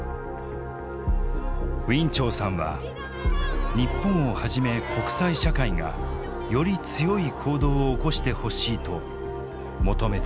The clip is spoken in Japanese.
ウィン・チョウさんは日本をはじめ国際社会がより強い行動を起こしてほしいと求めています。